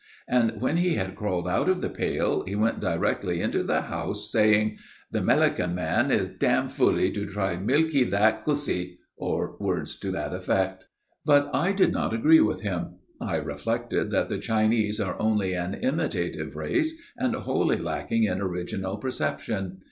And when he had crawled out of the pail he went directly into the house, saying, 'The Melican man is dam foolee to try to milkee that cussee!' or words to that effect. [Illustration: PRACTICALLY INSIDE THE PAIL.] "But I did not agree with him. I reflected that the Chinese are only an imitative race, and wholly lacking in original perception.